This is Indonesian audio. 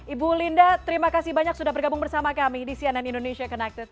ibu linda terima kasih banyak sudah bergabung bersama kami di cnn indonesia connected